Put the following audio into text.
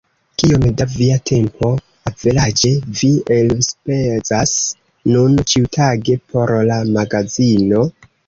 Kiom da via tempo averaĝe vi elspezas nun ĉiutage por la magazino?